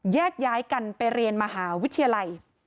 แยกย้ายกันไปเรียนมหาวิทยาลัย